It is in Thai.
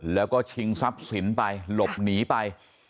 แล้วก็ชิงทรัพย์สินไปหลบหนีไป